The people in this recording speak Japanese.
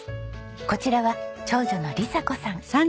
こちらは長女の理咲子さん。